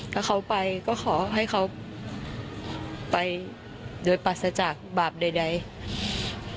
ถ้าเขาไปก็ขอให้เขาไปโดยปรัสจากบาปติดตัวลูกแม่